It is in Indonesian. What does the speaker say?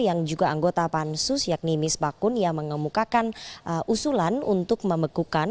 yang juga anggota pansus yakni mis bakun yang mengemukakan usulan untuk membekukan